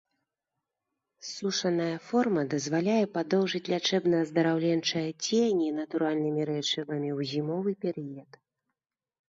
Сушаная форма дазваляе падоўжыць лячэбна-аздараўленчае дзеянне натуральнымі рэчывамі ў зімовы перыяд.